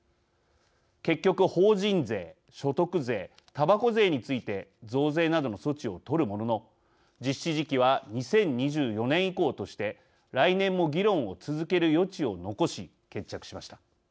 結局、法人税、所得税たばこ税について増税などの措置を取るものの実施時期は２０２４年以降として来年も議論を続ける余地を残し決着しました。